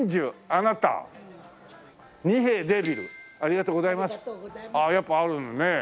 ああやっぱあるんだねえ。